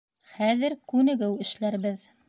Хәҙер күнегеү эшләрбеҙ.